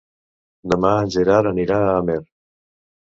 Demà en Gerard anirà a Amer.